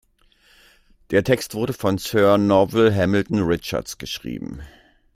Der Text wurde von Sir Novelle Hamilton Richards geschrieben.